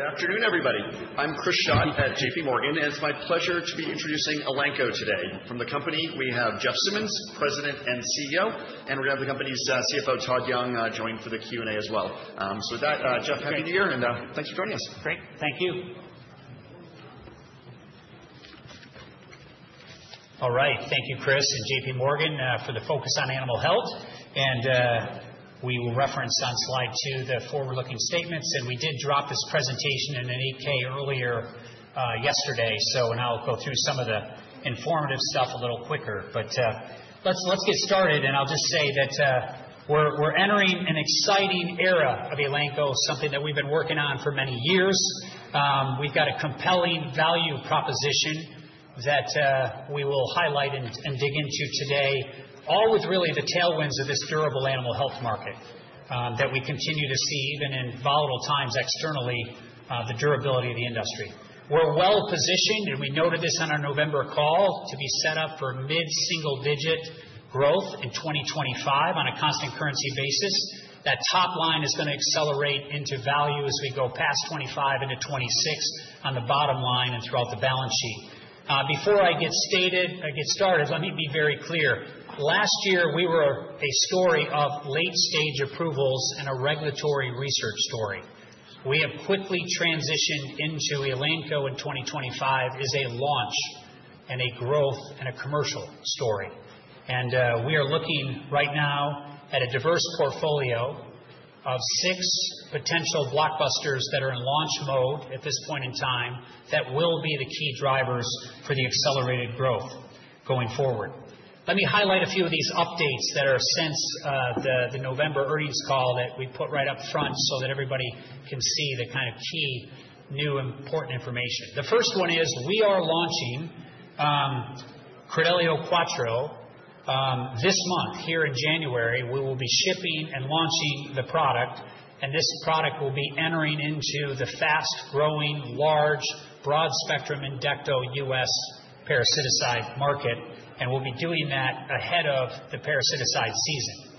Good afternoon, everybody. I'm Chris Schott at J.P. Morgan, and it's my pleasure to be introducing Elanco today. From the company, we have Jeff Simmons, President and CEO, and we're going to have the company's CFO, Todd Young, join for the Q&A as well. So with that, Jeff, happy New Year, and thanks for joining us. Great. Thank you. All right. Thank you, Chris, and J.P. Morgan for the focus on animal health. We will reference on slide two the forward-looking statements. We did drop this presentation in an 8-K earlier yesterday, so now I'll go through some of the informative stuff a little quicker. Let's get started, and I'll just say that we're entering an exciting era of Elanco, something that we've been working on for many years. We've got a compelling value proposition that we will highlight and dig into today, all with really the tailwinds of this durable animal health market that we continue to see even in volatile times externally, the durability of the industry. We're well positioned, and we noted this on our November call, to be set up for mid-single-digit growth in 2025 on a constant currency basis. That top line is going to accelerate into value as we go past 2025 into 2026 on the bottom line and throughout the balance sheet. Before I get started, let me be very clear. Last year, we were a story of late-stage approvals and a regulatory research story. We have quickly transitioned into Elanco in 2025 as a launch and a growth and a commercial story. And we are looking right now at a diverse portfolio of six potential blockbusters that are in launch mode at this point in time that will be the key drivers for the accelerated growth going forward. Let me highlight a few of these updates that are since the November earnings call that we put right up front so that everybody can see the kind of key new important information. The first one is we are launching Credelio Quattro this month here in January. We will be shipping and launching the product, and this product will be entering into the fast-growing, large, broad-spectrum endectocide US parasiticide market, and we'll be doing that ahead of the parasiticide season.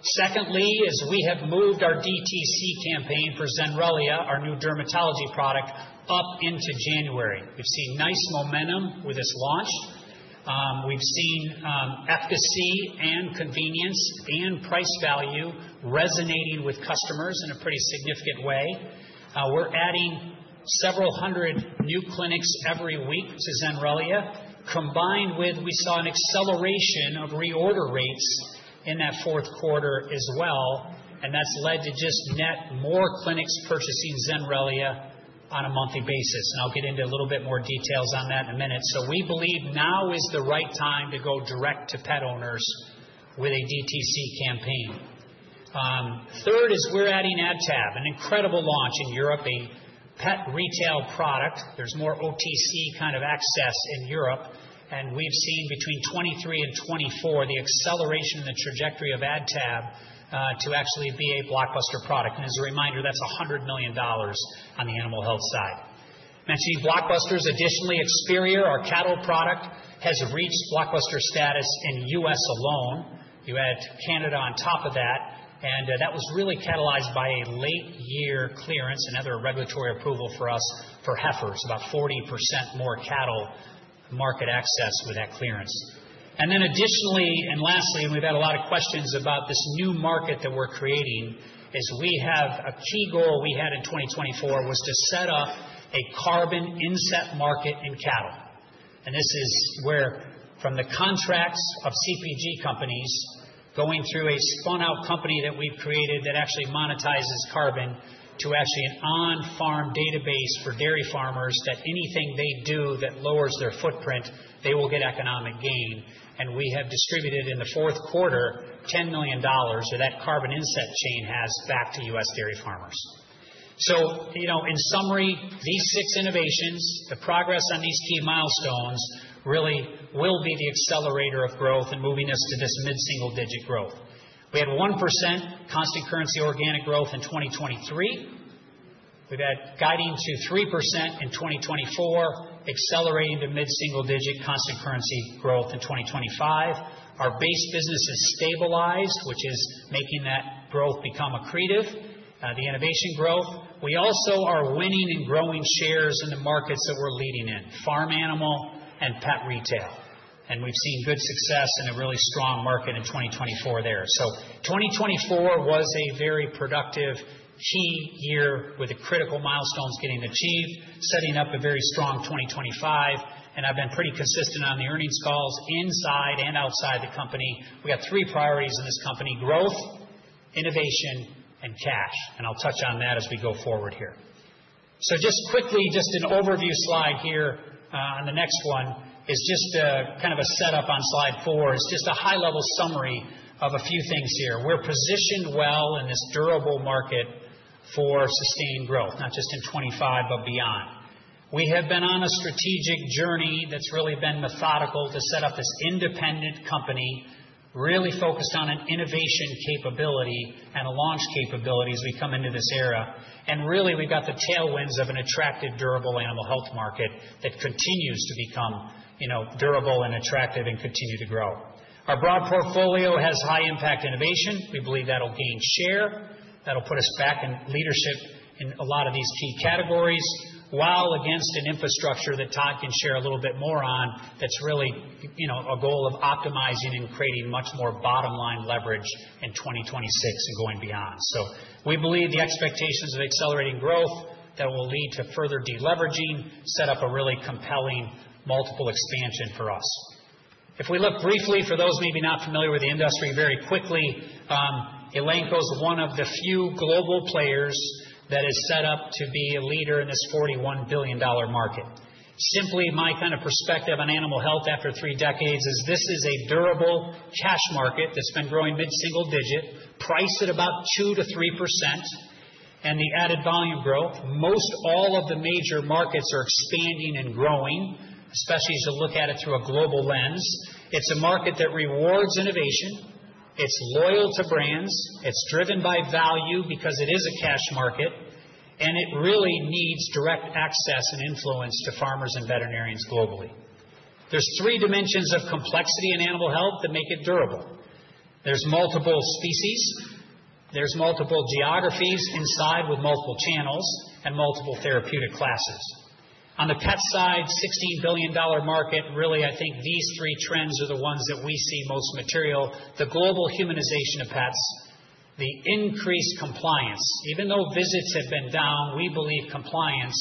Secondly, as we have moved our DTC campaign for Zenrelia, our new dermatology product, up into January, we've seen nice momentum with this launch. We've seen efficacy and convenience and price value resonating with customers in a pretty significant way. We're adding several hundred new clinics every week to Zenrelia, combined with, we saw an acceleration of reorder rates in that fourth quarter as well, and that's led to just net more clinics purchasing Zenrelia on a monthly basis. And I'll get into a little bit more details on that in a minute, so we believe now is the right time to go direct to pet owners with a DTC campaign. Third is we're adding AdTab, an incredible launch in Europe, a pet retail product. There's more OTC kind of access in Europe, and we've seen between 2023 and 2024 the acceleration in the trajectory of AdTab to actually be a blockbuster product. And as a reminder, that's $100 million on the animal health side. Mentioning blockbusters, additionally, Experior, our cattle product, has reached blockbuster status in US alone. You add Canada on top of that, and that was really catalyzed by a late-year clearance and other regulatory approval for us for heifers, about 40% more cattle market access with that clearance. And then additionally, and lastly, and we've had a lot of questions about this new market that we're creating, is we have a key goal we had in 2024 was to set up a carbon inset market in cattle. And this is where, from the contracts of CPG companies going through a spun-out company that we've created that actually monetizes carbon to actually an on-farm database for dairy farmers that anything they do that lowers their footprint, they will get economic gain. And we have distributed in the fourth quarter $10 million that that carbon inset chain has back to US dairy farmers. So in summary, these six innovations, the progress on these key milestones really will be the accelerator of growth and moving us to this mid-single-digit growth. We had 1% constant currency organic growth in 2023. We've had guiding to 3% in 2024, accelerating to mid-single-digit constant currency growth in 2025. Our base business has stabilized, which is making that growth become accretive, the innovation growth. We also are winning and growing shares in the markets that we're leading in, farm animal and pet retail. And we've seen good success and a really strong market in 2024 there. So 2024 was a very productive key year with critical milestones getting achieved, setting up a very strong 2025. And I've been pretty consistent on the earnings calls inside and outside the company. We have three priorities in this company: growth, innovation, and cash. And I'll touch on that as we go forward here. So just quickly, just an overview slide here on the next one is just kind of a setup on slide four. It's just a high-level summary of a few things here. We're positioned well in this durable market for sustained growth, not just in 2025, but beyond. We have been on a strategic journey that's really been methodical to set up this independent company, really focused on an innovation capability and a launch capability as we come into this era. And really, we've got the tailwinds of an attractive durable animal health market that continues to become durable and attractive and continue to grow. Our broad portfolio has high-impact innovation. We believe that'll gain share. That'll put us back in leadership in a lot of these key categories while against an infrastructure that Todd can share a little bit more on that's really a goal of optimizing and creating much more bottom-line leverage in 2026 and going beyond. So we believe the expectations of accelerating growth that will lead to further deleveraging set up a really compelling multiple expansion for us. If we look briefly for those maybe not familiar with the industry very quickly, Elanco is one of the few global players that is set up to be a leader in this $41 billion market. Simply, my kind of perspective on animal health after three decades is this is a durable cash market that's been growing mid-single digit, priced at about 2%-3%, and the added volume growth. Most all of the major markets are expanding and growing, especially as you look at it through a global lens. It's a market that rewards innovation. It's loyal to brands. It's driven by value because it is a cash market, and it really needs direct access and influence to farmers and veterinarians globally. There's three dimensions of complexity in animal health that make it durable. There's multiple species. There's multiple geographies inside with multiple channels and multiple therapeutic classes. On the pet side, $16 billion market, really, I think these three trends are the ones that we see most material: the global humanization of pets, the increased compliance. Even though visits have been down, we believe compliance,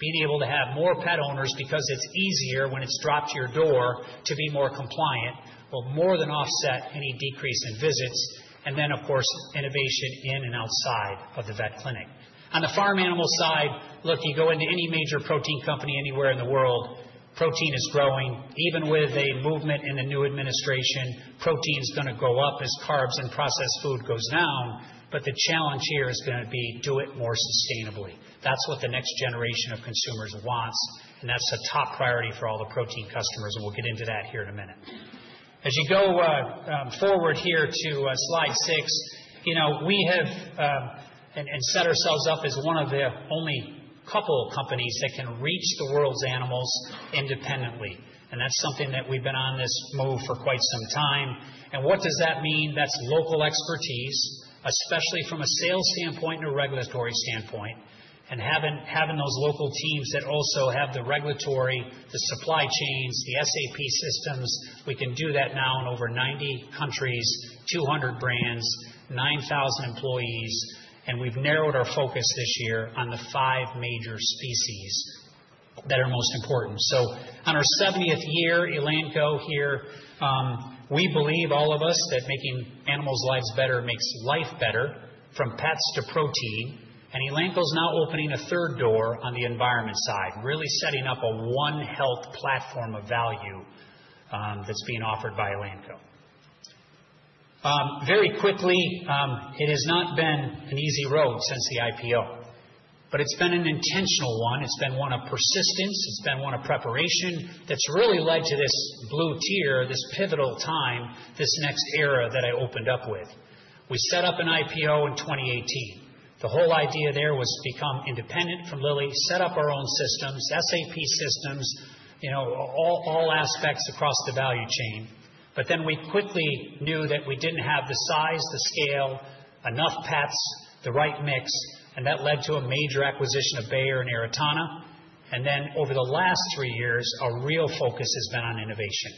being able to have more pet owners because it's easier when it's dropped to your door to be more compliant, will more than offset any decrease in visits, and then, of course, innovation in and outside of the vet clinic. On the farm animal side, look, you go into any major protein company anywhere in the world, protein is growing. Even with a movement in the new administration, protein's going to go up as carbs and processed food goes down, but the challenge here is going to be do it more sustainably. That's what the next generation of consumers wants, and that's a top priority for all the protein customers, and we'll get into that here in a minute. As you go forward here to slide six, we have set ourselves up as one of the only couple of companies that can reach the world's animals independently. And that's something that we've been on this move for quite some time. And what does that mean? That's local expertise, especially from a sales standpoint and a regulatory standpoint, and having those local teams that also have the regulatory, the supply chains, the SAP systems. We can do that now in over 90 countries, 200 brands, 9,000 employees, and we've narrowed our focus this year on the five major species that are most important. So on our 70th year, Elanco here, we believe all of us that making animals' lives better makes life better from pets to protein. Elanco's now opening a third door on the environment side, really setting up a One Health platform of value that's being offered by Elanco. Very quickly, it has not been an easy road since the IPO, but it's been an intentional one. It's been one of persistence. It's been one of preparation that's really led to this blue year, this pivotal time, this next era that I opened up with. We set up an IPO in 2018. The whole idea there was to become independent from Lilly, set up our own systems, SAP systems, all aspects across the value chain. But then we quickly knew that we didn't have the size, the scale, enough pets, the right mix, and that led to a major acquisition of Bayer and Aratana. Then over the last three years, our real focus has been on innovation,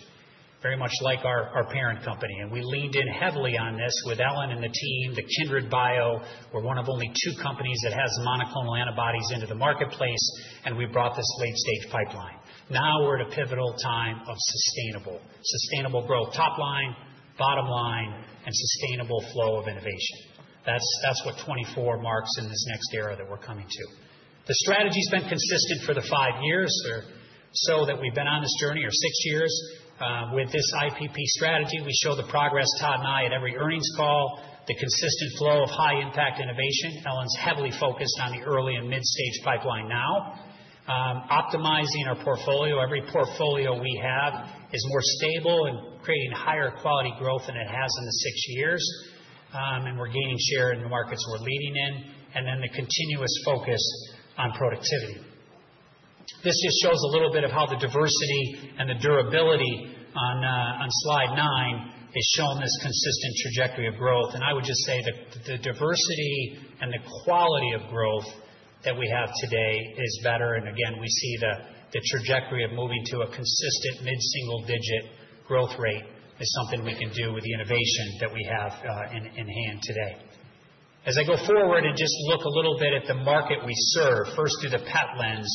very much like our parent company. And we leaned in heavily on this with Ellen and the team, the Kindred Bio. We're one of only two companies that has monoclonal antibodies into the marketplace, and we brought this late-stage pipeline. Now we're at a pivotal time of sustainable growth, top line, bottom line, and sustainable flow of innovation. That's what 2024 marks in this next era that we're coming to. The strategy's been consistent for the five years. So that we've been on this journey are six years. With this IPP strategy, we show the progress Todd and I at every earnings call, the consistent flow of high-impact innovation. Ellen's heavily focused on the early and mid-stage pipeline now, optimizing our portfolio. Every portfolio we have is more stable and creating higher quality growth than it has in the six years. We're gaining share in the markets we're leading in, and then the continuous focus on productivity. This just shows a little bit of how the diversity and the durability on slide nine has shown this consistent trajectory of growth. I would just say that the diversity and the quality of growth that we have today is better. Again, we see the trajectory of moving to a consistent mid-single-digit growth rate is something we can do with the innovation that we have in hand today. As I go forward and just look a little bit at the market we serve, first through the pet lens,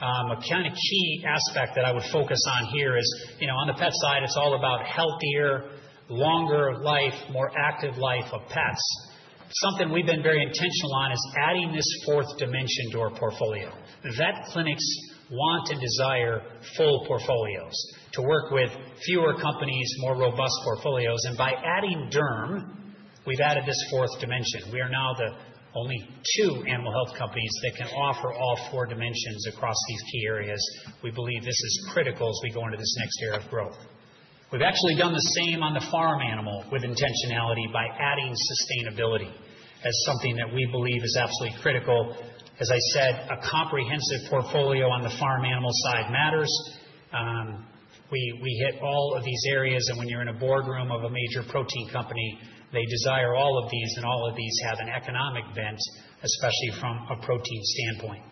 a kind of key aspect that I would focus on here is on the pet side, it's all about healthier, longer life, more active life of pets. Something we've been very intentional on is adding this fourth dimension to our portfolio. Vet clinics want and desire full portfolios to work with fewer companies, more robust portfolios, and by adding Derm, we've added this fourth dimension. We are now the only two animal health companies that can offer all four dimensions across these key areas. We believe this is critical as we go into this next era of growth. We've actually done the same on the farm animal with intentionality by adding sustainability as something that we believe is absolutely critical. As I said, a comprehensive portfolio on the farm animal side matters. We hit all of these areas, and when you're in a boardroom of a major protein company, they desire all of these, and all of these have an economic bent, especially from a protein standpoint.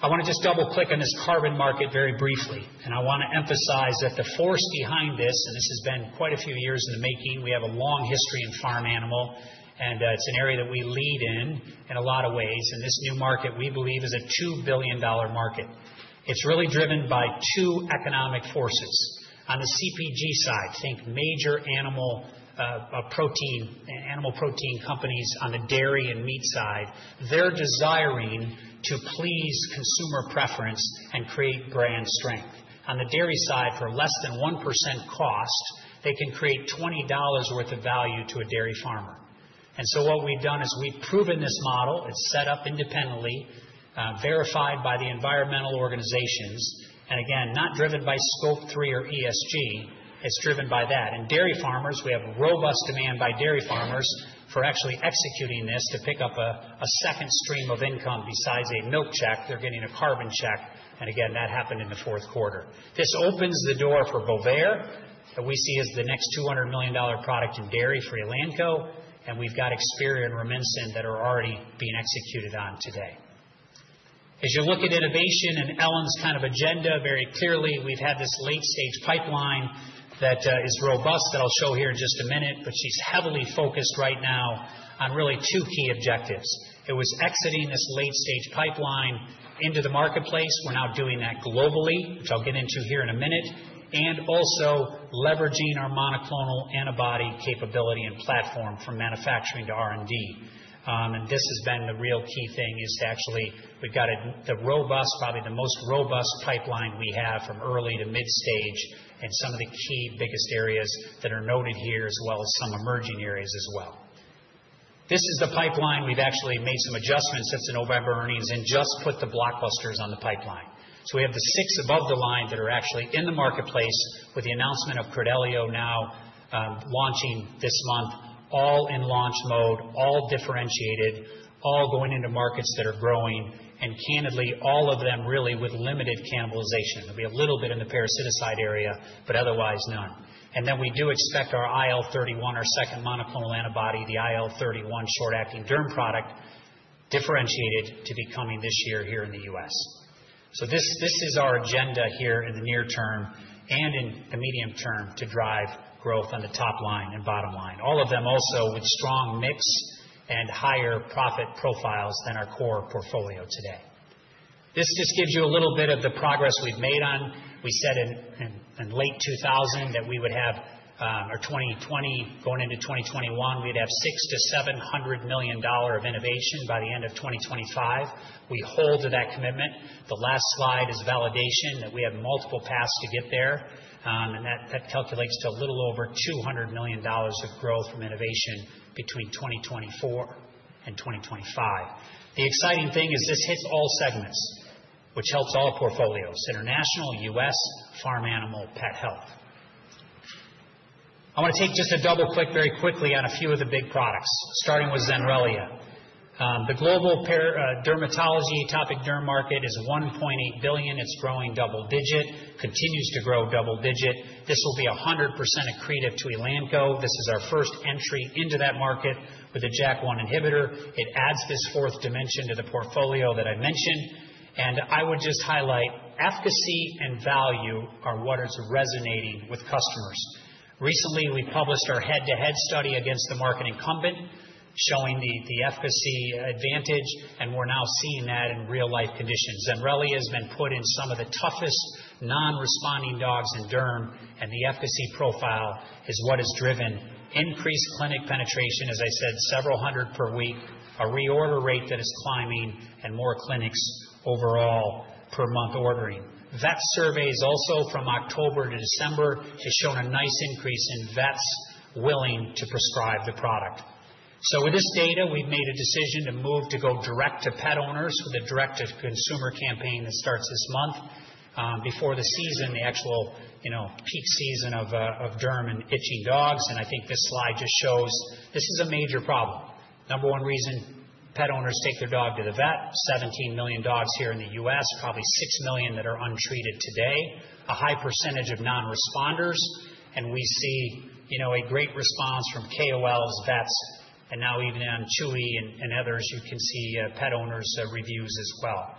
I want to just double-click on this carbon market very briefly, and I want to emphasize that the force behind this, and this has been quite a few years in the making, we have a long history in farm animal, and it's an area that we lead in in a lot of ways, and this new market, we believe, is a $2 billion market. It's really driven by two economic forces. On the CPG side, think major animal protein companies on the dairy and meat side. They're desiring to please consumer preference and create brand strength. On the dairy side, for less than 1% cost, they can create $20 worth of value to a dairy farmer, and so what we've done is we've proven this model. It's set up independently, verified by the environmental organizations, and again, not driven by Scope 3 or ESG. It's driven by that. Dairy farmers, we have robust demand by dairy farmers for actually executing this to pick up a second stream of income besides a milk check. They're getting a carbon check. Again, that happened in the Q4. This opens the door for Bovaer, that we see as the next $200 million product in dairy for Elanco, and we've got Experior and Rumensin that are already being executed on today. As you look at innovation and Ellen's kind of agenda, very clearly, we've had this late-stage pipeline that is robust that I'll show here in just a minute, but she's heavily focused right now on really two ey objectives. It was exiting this late-stage pipeline into the marketplace. We're now doing that globally, which I'll get into here in a minute, and also leveraging our monoclonal antibody capability and platform from manufacturing to R&D. This has been the real key thing: to actually we've got the robust, probably the most robust pipeline we have from early to mid-stage and some of the key biggest areas that are noted here as well as some emerging areas as well. This is the pipeline. We've actually made some adjustments since the November earnings and just put the blockbusters on the pipeline. So we have the six above the line that are actually in the marketplace with the announcement of Credelio now launching this month, all in launch mode, all differentiated, all going into markets that are growing, and candidly, all of them really with limited cannibalization. There'll be a little bit in the parasiticide area, but otherwise none. Then we do expect our IL-31, our second monoclonal antibody, the IL-31 short-acting derm product, differentiated, to be coming this year here in the US. So this is our agenda here in the near term and in the medium term to drive growth on the top line and bottom line, all of them also with strong mix and higher profit profiles than our core portfolio today. This just gives you a little bit of the progress we've made on. We said in late 2000 that 0we would have our 2020 going into 2021, we'd have $600 million-$700 million of innovation by the end of 2025. We hold to that commitment. The last slide is validation that we have multiple paths to get there, and that calculates to a little over $200 million of growth from innovation between 2024 and 2025. The exciting thing is this hits all segments, which helps all portfolios: international, US, farm animal, pet health. I want to take just a double-click very quickly on a few of the big products, starting with Zenrelia. The global dermatology topical derm market is $1.8 billion. It's growing double-digit, continues to grow double-digit. This will be 100% accretive to Elanco. This is our first entry into that market with a JAK1 inhibitor. It adds this fourth dimension to the portfolio that I mentioned. And I would just highlight efficacy and value are what is resonating with customers. Recently, we published our head-to-head study against the market incumbent showing the efficacy advantage, and we're now seeing that in real-life conditions. Zenrelia has been put in some of the toughest non-responding dogs in derm, and the efficacy profile is what has driven increased clinic penetration, as I said, several hundred per week, a reorder rate that is climbing, and more clinics overall per month ordering. Vet surveys also from October to December have shown a nice increase in vets willing to prescribe the product. So with this data, we've made a decision to move to go direct to pet owners with a direct-to-consumer campaign that starts this month before the season, the actual peak season of derm and itching dogs. And I think this slide just shows this is a major problem. Number one reason pet owners take their dog to the vet: 17 million dogs here in the US, probably 6 million that are untreated today, a high percentage of non-responders. And we see a great response from KOLs, vets, and now even on Chewy and others, you can see pet owners' reviews as well.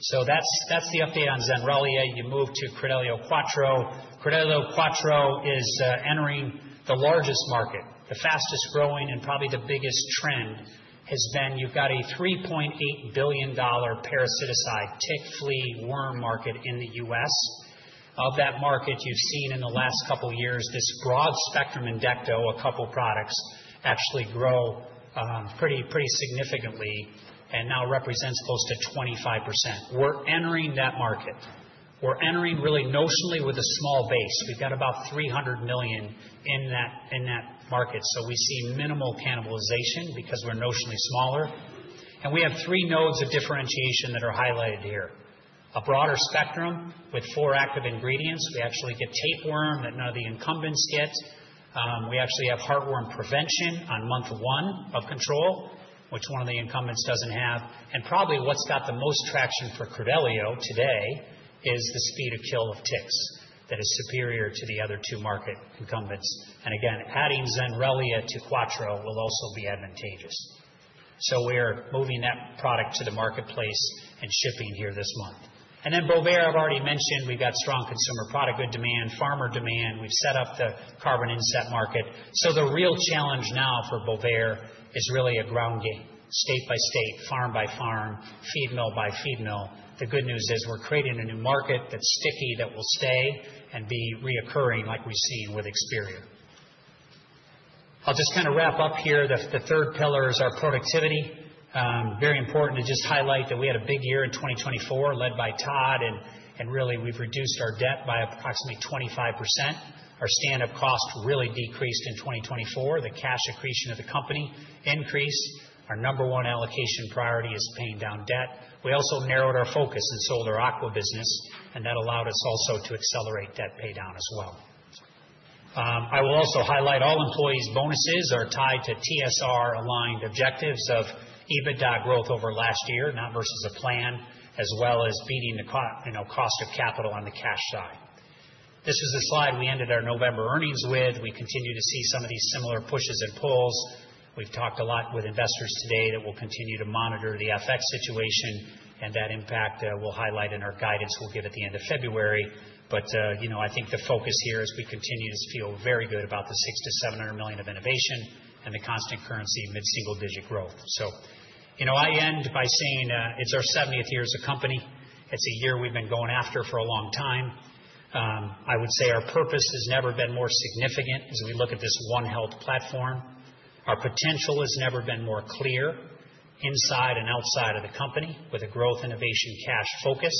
So that's the update on Zenrelia. You move to Credelio Quattro. Credelio Quattro is entering the largest market. The fastest growing and probably the biggest trend has been you've got a $3.8 billion parasiticide, tick, flea, worm market in the US. Of that market, you've seen in the last couple of years this broad spectrum endectocide a couple of products actually grow pretty significantly and now represents close to 25%. We're entering that market. We're entering really notionally with a small base. We've got about $300 million in that market. So we see minimal cannibalization because we're notionally smaller. And we have three modes of differentiation that are highlighted here: a broader spectrum with four active ingredients. We actually get tapeworm that none of the incumbents get. We actually have heartworm prevention on month one of control, which one of the incumbents doesn't have. Probably what's got the most traction for Credelio today is the speed of kill of ticks that is superior to the other two market incumbents. Again, adding Zenrelia to Quattro will also be advantageous. We're moving that product to the marketplace and shipping here this month. Then Bovaer, I've already mentioned we've got strong consumer product, good demand, farmer demand. We've set up the carbon inset market. The real challenge now for Bovaer is really a ground game, state by state, farm by farm, feed mill by feed mill. The good news is we're creating a new market that's sticky that will stay and be recurring like we've seen with Experior. I'll just kind of wrap up here. The third pillar is our productivity. Very important to just highlight that we had a big year in 2024 led by Todd, and really we've reduced our debt by approximately 25%. Our stand-up cost really decreased in 2024. The cash accretion of the company increased. Our number one allocation priority is paying down debt. We also narrowed our focus and sold our aqua business, and that allowed us also to accelerate debt paydown as well. I will also highlight all employees' bonuses are tied to TSR-aligned objectives of EBITDA growth over last year, not versus a plan, as well as beating the cost of capital on the cash side. This was the slide we ended our November earnings with. We continue to see some of these similar pushes and pulls. We've talked a lot with investors today that we'll continue to monitor the FX situation and that impact we'll highlight in our guidance we'll give at the end of February, but I think the focus here is we continue to feel very good about the $600-$700 million of innovation and the constant currency mid-single-digit growth. So I end by saying it's our 70th year as a company. It's a year we've been going after for a long time. I would say our purpose has never been more significant as we look at this One Health platform. Our potential has never been more clear inside and outside of the company with a growth innovation cash focus,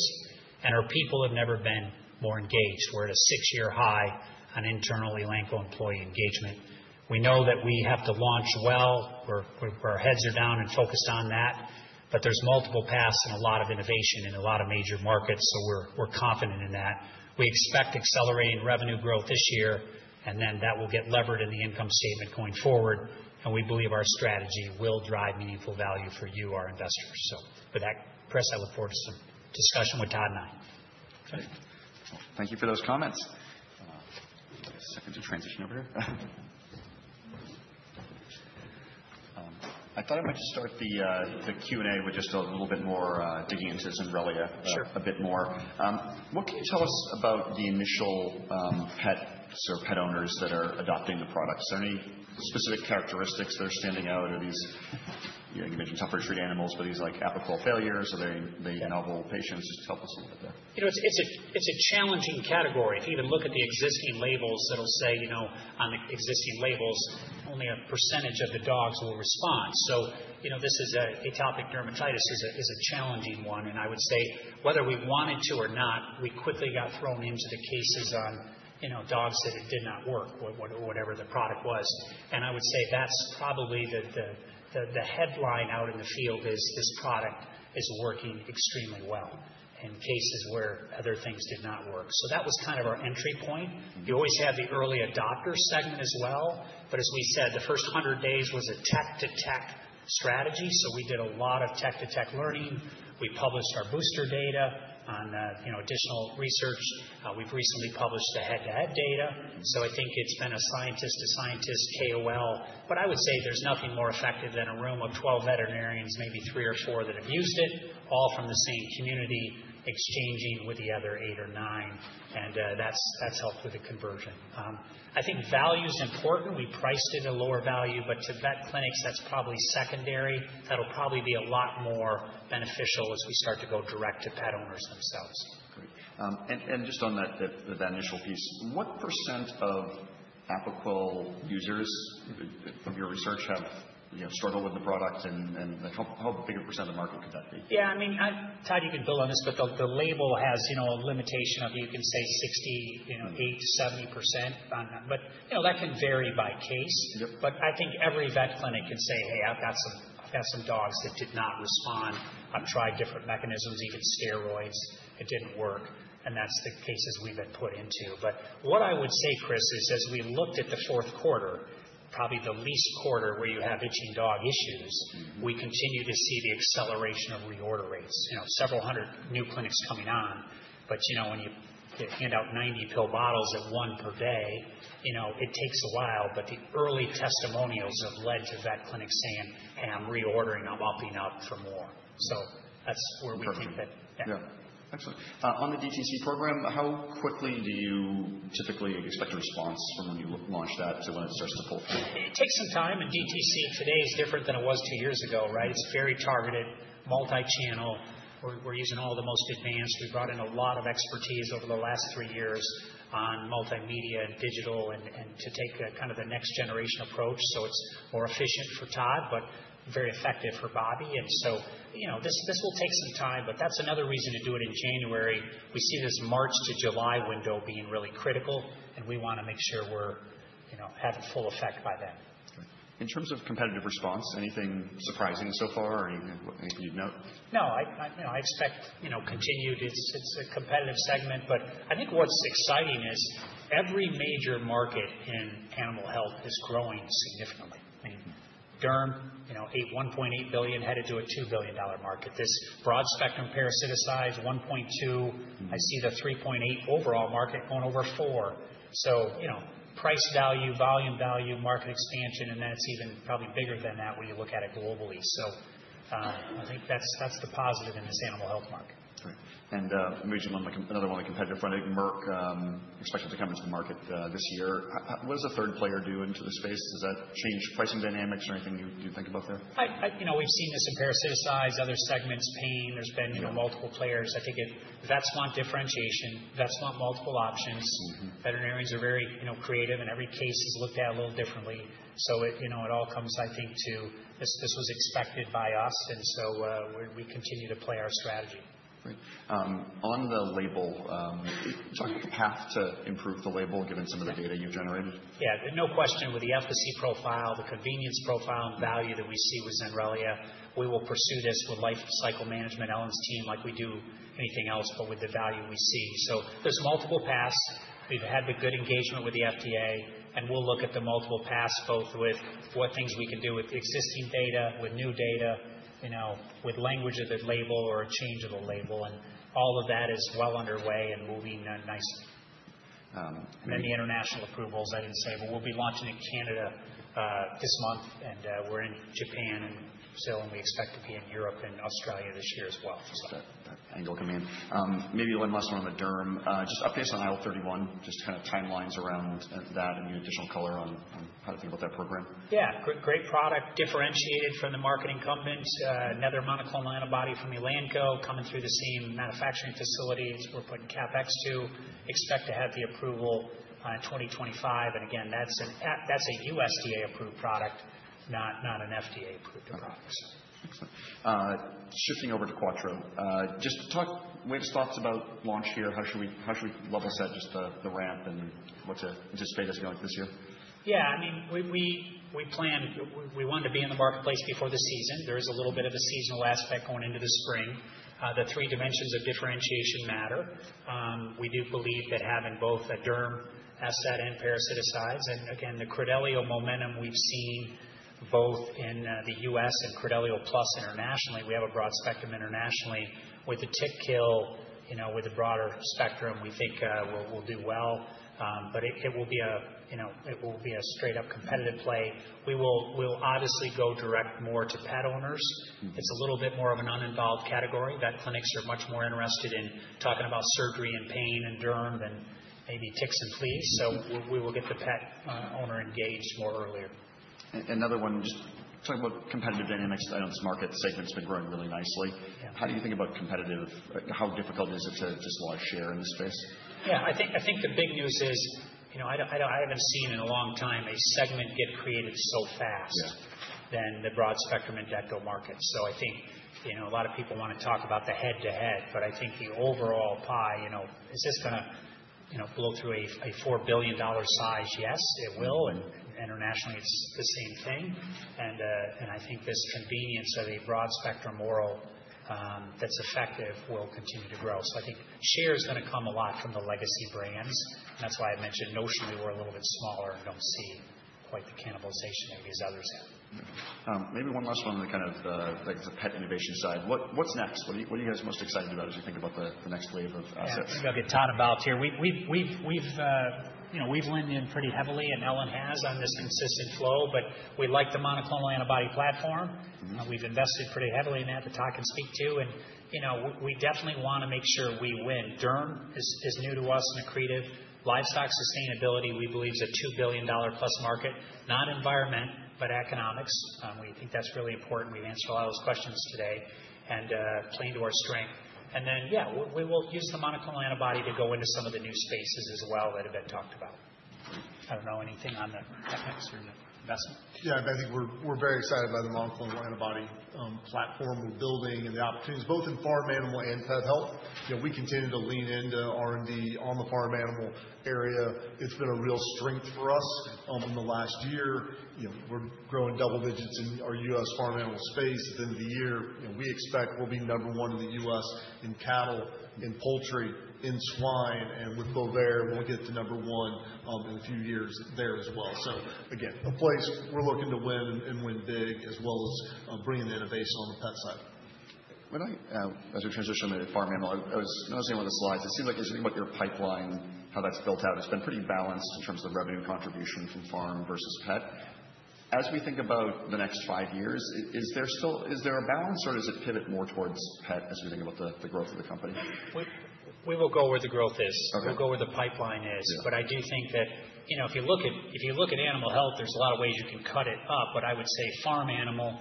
and our people have never been more engaged. We're at a six-year high on internal Elanco employee engagement. We know that we have to launch well. Our heads are down and focused on that, but there's multiple paths and a lot of innovation in a lot of major markets, so we're confident in that. We expect accelerating revenue growth this year, and then that will get levered in the income statement going forward, and we believe our strategy will drive meaningful value for you, our investors. So with that, Chris, I look forward to some discussion with Todd and I. Okay. Thank you for those comments. Now to transition over here. I thought I might just start the Q&A with just a little bit more digging into Zenrelia a bit more. What can you tell us about the initial pet owners that are adopting the products? Are there any specific characteristics that are standing out? You mentioned tough-to-treat animals, but these like atopic failures or the novel patients. Just help us a little bit there. It's a challenging category. If you even look at the existing labels, it'll say on the existing labels only a percentage of the dogs will respond. So this is atopic dermatitis is a challenging one, and I would say whether we wanted to or not, we quickly got thrown into the cases on dogs that it did not work or whatever the product was. And I would say that's probably the headline out in the field is this product is working extremely well in cases where other things did not work. So that was kind of our entry point. You always have the early adopter segment as well, but as we said, the first 100 days was a vet-to-vet strategy. So we did a lot of vet-to-vet learning. We published our booster data on additional research. We've recently published the head-to-head data. I think it's been a scientist-to-scientist KOL, but I would say there's nothing more effective than a room of 12 veterinarians, maybe three or four that have used it, all from the same community, exchanging with the other eight or nine, and that's helped with the conversion. I think value is important. We priced it at a lower value, but to vet clinics, that's probably secondary. That'll probably be a lot more beneficial as we start to go direct to pet owners themselves. Great. And just on that initial piece, what percent of a pill users from your research have struggled with the product? And how big a percent of the market could that be? Yeah. I mean, Todd, you can build on this, but the label has a limitation of, you can say, 68%-70% on that. But that can vary by case. But I think every vet clinic can say, "Hey, I've got some dogs that did not respond. I've tried different mechanisms, even steroids. It didn't work." And that's the cases we've been put into. But what I would say, Chris, is as we looked at the Q4, probably the least quarter where you have itching dog issues, we continue to see the acceleration of reorder rates. Several hundred new clinics coming on, but when you hand out 90 pill bottles at one per day, it takes a while, but the early testimonials have led to vet clinics saying, "Hey, I'm reordering. I'm upping up for more." So that's where we think that. Yeah. Excellent. On the DTC program, how quickly do you typically expect a response from when you launch that to when it starts to pull through? It takes some time. And DTC today is different than it was two years ago, right? It's very targeted, multi-channel. We're using all the most advanced. We brought in a lot of expertise over the last three years on multimedia and digital and to take kind of the next-generation approach. So it's more efficient for Todd, but very effective for Bobby. And so this will take some time, but that's another reason to do it in January. We see this March to July window being really critical, and we want to make sure we're having full effect by then. In terms of competitive response, anything surprising so far or anything you'd note? No, I expect continued. It's a competitive segment, but I think what's exciting is every major market in animal health is growing significantly. I mean, derm, $1.8 billion headed to a $2 billion market. This broad spectrum parasiticides, 1.2. I see the 3.8 overall market going over 4, so price value, volume value, market expansion, and then it's even probably bigger than that when you look at it globally. I think that's the positive in this animal health market. Allright. And I'm reaching on another one, the competitive front. I think Merck expected to come into the market this year. What does a third player do into the space? Does that change pricing dynamics or anything you think about there? We've seen this in parasiticides, other segments paying. There's been multiple players. I think if vets want differentiation, vets want multiple options. Veterinarians are very creative, and every case is looked at a little differently. So it all comes, I think, to this was expected by us, and so we continue to play our strategy. Great. On the label, talk about the path to improve the label given some of the data you've generated. Yeah. No question. With the efficacy profile, the convenience profile, and value that we see with Zenrelia, we will pursue this with life cycle management, Ellen's team, like we do anything else, but with the value we see, so there's multiple paths. We've had the good engagement with the FDA, and we'll look at the multiple paths both with what things we can do with existing data, with new data, with language of the label or a change of the label, and all of that is well underway and moving nicely, and then the international approvals, I didn't say, but we'll be launching in Canada this month, and we're in Japan and Brazil, and we expect to be in Europe and Australia this year as well. Got that angle coming in. Maybe one last one on the derm. Just updates on IL-31, just kind of timelines around that and your additional color on how to think about that program. Yeah. Great product. Differentiated from the market incumbent, another monoclonal antibody from Elanco coming through the same manufacturing facilities. We're putting CapEx to expect to have the approval in 2025. And again, that's a USDA-approved product, not an FDA-approved product. Excellent. Shifting over to Quattro. Just way to start about launch here, how should we level set just the ramp and what to anticipate as we go into this year? Yeah. I mean, we planned we wanted to be in the marketplace before the season. There is a little bit of a seasonal aspect going into the spring. The three dimensions of differentiation matter. We do believe that having both a derm asset and parasiticides, and again, the Credelio momentum we've seen both in the US and Credelio Plus internationally. We have a broad spectrum internationally. With the tick kill, with the broader spectrum, we think we'll do well, but it will be a straight-up competitive play. We'll obviously go direct more to pet owners. It's a little bit more of an uninvolved category. Vet clinics are much more interested in talking about surgery and pain and derm than maybe ticks and fleas. So we will get the pet owner engaged more earlier. Another one, just talking about competitive dynamics. I know this market segment's been growing really nicely. How do you think about competitive? How difficult is it to just launch here in this space? Yeah. I think the big news is I haven't seen in a long time a segment get created so fast than the broad-spectrum endectocide market. So I think a lot of people want to talk about the head-to-head, but I think the overall pie, is this going to blow through a $4 billion size? Yes, it will. And internationally, it's the same thing. And I think this convenience of a broad-spectrum oral that's effective will continue to grow. So I think share is going to come a lot from the legacy brands. And that's why I mentioned notionally we're a little bit smaller and don't see quite the cannibalization that these others have. Maybe one last one on the kind of the pet innovation side. What's next? What are you guys most excited about as you think about the next wave of assets? I think I'll get Todd about here. We've leaned in pretty heavily, and Ellen has on this consistent flow, but we like the monoclonal antibody platform. We've invested pretty heavily in that to talk and speak to, and we definitely want to make sure we win. Derm is new to us and accretive. Livestock sustainability, we believe, is a $2 billion plus market, not environment, but economics. We think that's really important. We've answered a lot of those questions today and playing to our strength. Then, yeah, we will use the monoclonal antibody to go into some of the new spaces as well that have been talked about. I don't know anything on the FX or the investment. Yeah. I think we're very excited by the monoclonal antibody platform we're building and the opportunities both in farm animal and pet health. We continue to lean into R&D on the farm animal area. It's been a real strength for us in the last year. We're growing double digits in our US farm animal space at the end of the year. We expect we'll be number one in the US in cattle, in poultry, in swine, and with Bovaer, we'll get to number one in a few years there as well. So again, a place we're looking to win and win big as well as bringing the innovation on the pet side. When, as we transition to the farm animal, I was noticing one of the slides. It seems like as you think about your pipeline, how that's built out, it's been pretty balanced in terms of the revenue contribution from farm versus pet. As we think about the next five years, is there a balance or does it pivot more towards pet as we think about the growth of the company? We will go where the growth is. We'll go where the pipeline is. But I do think that if you look at animal health, there's a lot of ways you can cut it up, but I would say farm animal,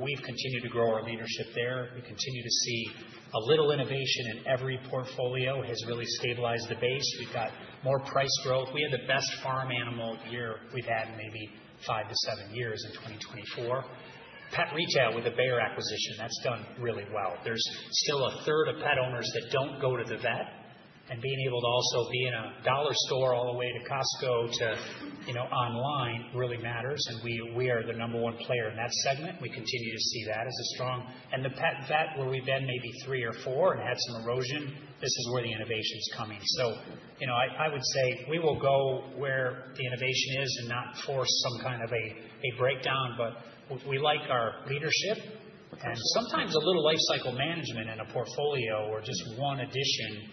we've continued to grow our leadership there. We continue to see a little innovation in every portfolio has really stabilized the base. We've got more price growth. We have the best farm animal year we've had in maybe five to seven years in 2024. Pet retail with a Bayer acquisition, that's done really well. There's still a third of pet owners that don't go to the vet, and being able to also be in a dollar store all the way to Costco to online really matters, and we are the number one player in that segment. We continue to see that as a strong, and the pet vet where we've been maybe three or four and had some erosion, this is where the innovation's coming, so I would say we will go where the innovation is and not force some kind of a breakdown, but we like our leadership, and sometimes a little life cycle management in a portfolio or just one addition,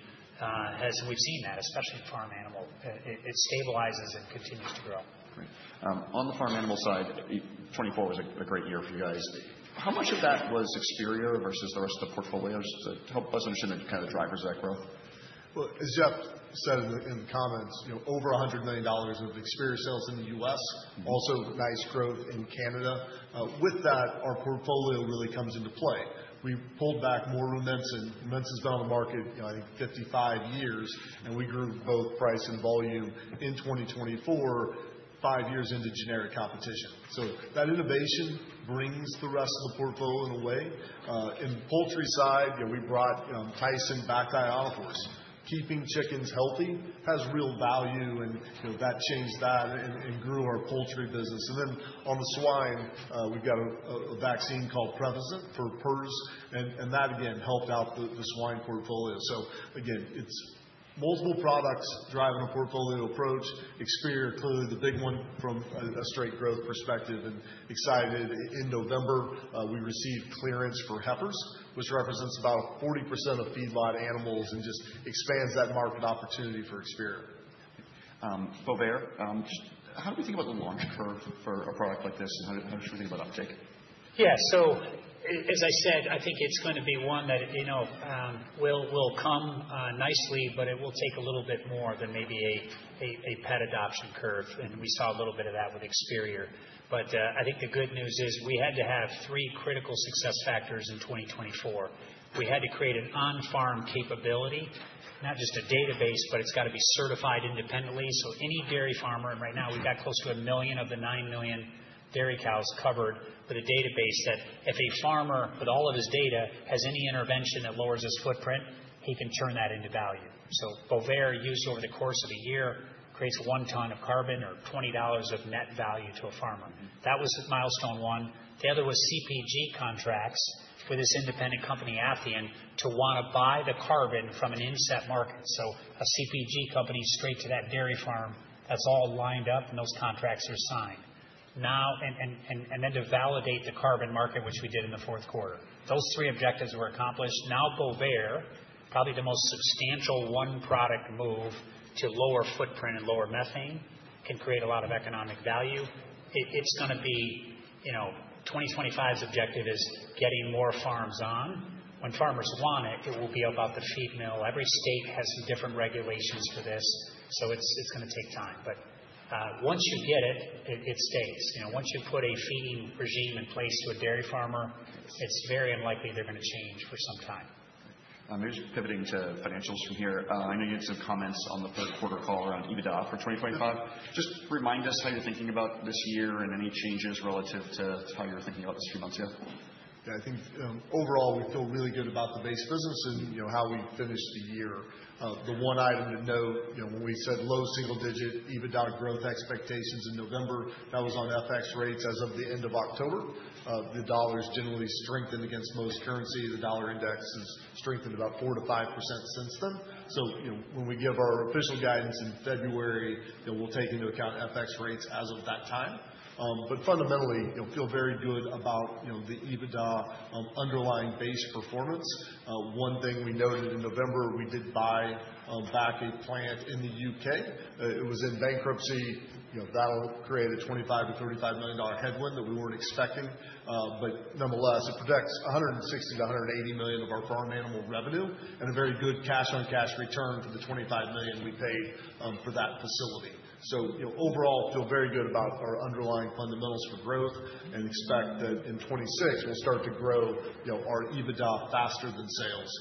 as we've seen that, especially farm animal, it stabilizes and continues to grow. On the farm animal side, 2024 was a great year for you guys. How much of that was Experior versus the rest of the portfolios? Help us understand the kind of drivers of that growth? As Jeff said in the comments, over $100 million of Experior sales in the US, also nice growth in Canada. With that, our portfolio really comes into play. We pulled back more Rumensin. Rumensin's been on the market, I think, 55 years, and we grew both price and volume in 2024, five years into generic competition. That innovation brings the rest of the portfolio in a way. In the poultry side, we brought Tyson bacti omnivores. Keeping chickens healthy has real value, and that changed and grew our poultry business. Then on the swine, we've got a vaccine called Prevacent for PRRS, and that again helped out the swine portfolio. Again, it's multiple products driving a portfolio approach. Experior, clearly the big one from a straight growth perspective and excited. In November, we received clearance for heifers, which represents about 40% of feedlot animals and just expands that market opportunity for Experior. Bovaer, just how do we think about the launch curve for a product like this and how should we think about uptake? Yeah. So as I said, I think it's going to be one that will come nicely, but it will take a little bit more than maybe a pet adoption curve. And we saw a little bit of that with Experior. But I think the good news is we had to have three critical success factors in 2024. We had to create an on-farm capability, not just a database, but it's got to be certified independently. So any dairy farmer, and right now we've got close to a million of the 9 million dairy cows covered with a database that if a farmer with all of his data has any intervention that lowers his footprint, he can turn that into value. So Bovaer used over the course of a year creates one ton of carbon or $20 of net value to a farmer. That was milestone one. The other was CPG contracts with this independent company, Athian, to want to buy the carbon from an inset market. So a CPG company straight to that dairy farm, that's all lined up and those contracts are signed. And then to validate the carbon market, which we did in the Q4. Those three objectives were accomplished. Now, Bovaer, probably the most substantial one product move to lower footprint and lower methane can create a lot of economic value. It's going to be 2025's objective is getting more farms on. When farmers want it, it will be about the feed mill. Every state has different regulations for this. So it's going to take time. But once you get it, it stays. Once you put a feeding regime in place to a dairy farmer, it's very unlikely they're going to change for some time. I'm just pivoting to financials from here. I know you had some comments on the Q3 call around EBITDA for 2025. Just remind us how you're thinking about this year and any changes relative to how you're thinking about this few months yet. Yeah. I think overall we feel really good about the base business and how we finished the year. The one item to note, when we said low single-digit EBITDA growth expectations in November, that was on FX rates as of the end of October. The dollar is generally strengthened against most currency. The dollar index has strengthened about 4%-5% since then. So when we give our official guidance in February, we'll take into account FX rates as of that time. But fundamentally, feel very good about the EBITDA underlying base performance. One thing we noted in November, we did buy back a plant in the U.K. It was in bankruptcy. That'll create a $25-$35 million headwind that we weren't expecting. But nonetheless, it protects 160-180 million of our farm animal revenue and a very good cash-on-cash return for the $25 million we paid for that facility. So overall, feel very good about our underlying fundamentals for growth and expect that in 2026 we'll start to grow our EBITDA faster than sales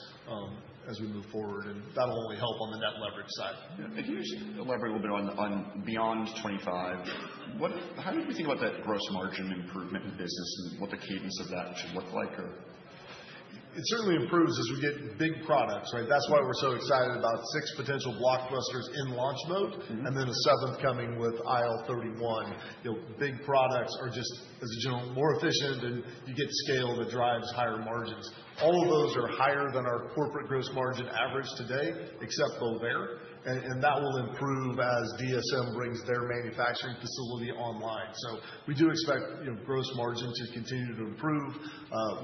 as we move forward. And that'll only help on the net leverage side. Yeah. Thank you. Just elaborate a little bit on beyond 2025. How do you think about that gross margin improvement in business and what the cadence of that should look like? It certainly improves as we get big products, right? That's why we're so excited about six potential blockbusters in launch mode and then a seventh coming with IL-31. Big products are just, as a general, more efficient, and you get scale that drives higher margins. All of those are higher than our corporate gross margin average today, except Bovaer, and that will improve as DSM brings their manufacturing facility online. So we do expect gross margin to continue to improve.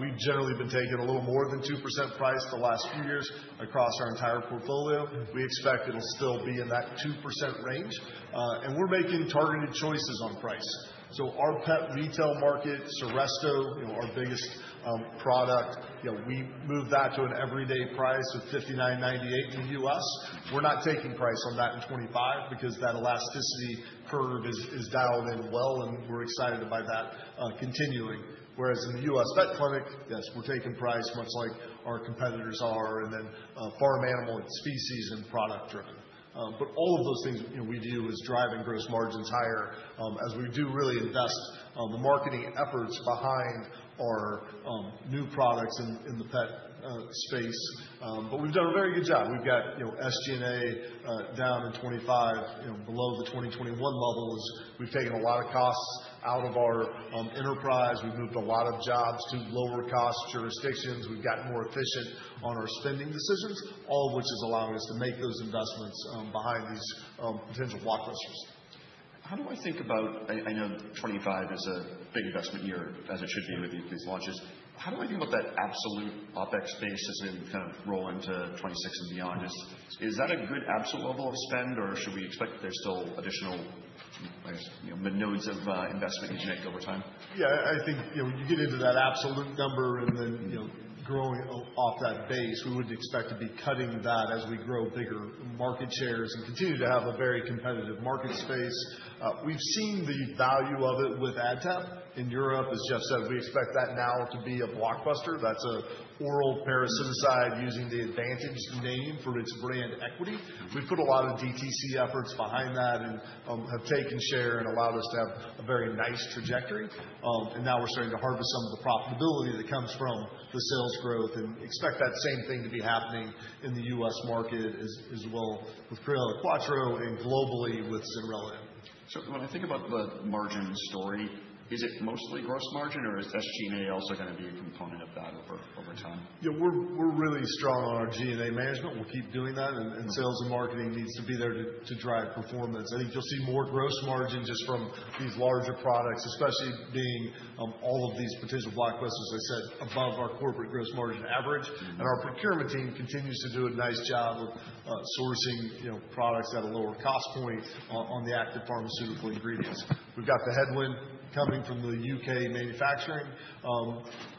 We've generally been taking a little more than 2% price the last few years across our entire portfolio. We expect it'll still be in that 2% range, and we're making targeted choices on price, so our pet retail market, Seresto, our biggest product, we moved that to an everyday price of $59.98 in the US. We're not taking price on that in 2025 because that elasticity curve is dialed in well, and we're excited about that continuing. Whereas in the US vet clinic, yes, we're taking price much like our competitors are, and then farm animal and species and product driven, but all of those things we do is driving gross margins higher as we do really invest the marketing efforts behind our new products in the pet space, but we've done a very good job. We've got SG&A down in 2025, below the 2021 levels. We've taken a lot of costs out of our enterprise. We've moved a lot of jobs to lower-cost jurisdictions. We've gotten more efficient on our spending decisions, all of which is allowing us to make those investments behind these potential blockbusters. How do I think about, I know 2025 is a big investment year as it should be with these launches? How do I think about that absolute OpEx space as we kind of roll into 2026 and beyond? Is that a good absolute level of spend, or should we expect there's still additional, I guess, nodes of investment you can make over time? Yeah. I think when you get into that absolute number and then growing off that base, we wouldn't expect to be cutting that as we grow bigger market shares and continue to have a very competitive market space. We've seen the value of it with AdTab in Europe. As Jeff said, we expect that now to be a blockbuster. That's an oral parasiticide using the Advantage name for its brand equity. We've put a lot of DTC efforts behind that and have taken share and allowed us to have a very nice trajectory. And now we're starting to harvest some of the profitability that comes from the sales growth and expect that same thing to be happening in the US market as well with Credelio Quattro and globally with Zenrelia. Certainly. When I think about the margin story, is it mostly gross margin, or is SG&A also going to be a component of that over time? Yeah. We're really strong on our G&A management. We'll keep doing that, and sales and marketing needs to be there to drive performance. I think you'll see more gross margin just from these larger products, especially being all of these potential blockbusters, as I said, above our corporate gross margin average. And our procurement team continues to do a nice job of sourcing products at a lower cost point on the active pharmaceutical ingredients. We've got the headwind coming from the UK manufacturing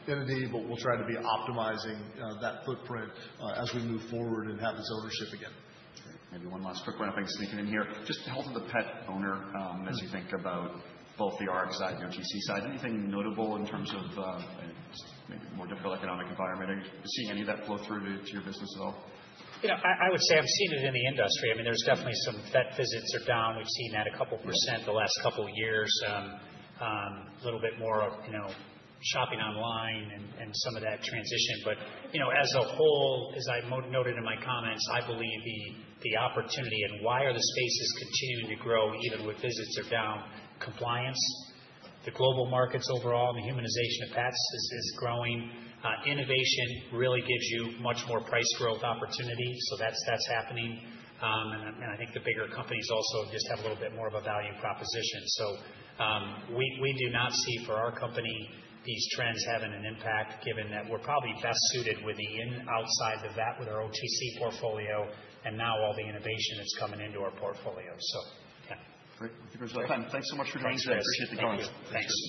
entity, but we'll try to be optimizing that footprint as we move forward and have its ownership again. Maybe one last quick round of thanks sneaking in here. Just to help with the pet owner as you think about both the RX side, the OTC side, anything notable in terms of just maybe more difficult economic environment? Are you seeing any of that flow through to your business at all? I would say I've seen it in the industry. I mean, there's definitely some vet visits are down. We've seen that a couple percent the last couple of years, a little bit more shopping online and some of that transition. But as a whole, as I noted in my comments, I believe the opportunity and why are the spaces continuing to grow even with visits are down, compliance, the global markets overall, and the humanization of pets is growing. Innovation really gives you much more price growth opportunity. So that's happening. And I think the bigger companies also just have a little bit more of a value proposition. So we do not see for our company these trends having an impact given that we're probably best suited with the in-outside the vet with our OTC portfolio and now all the innovation that's coming into our portfolio. So yeah. Great. Thank you for spending time. Thanks so much for joining today. Appreciate the call. Thanks.